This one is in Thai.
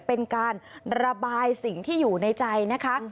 เป็นการระบายสิ่งที่อยู่ในใจนะคะ